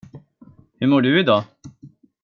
Hur mår du i dag?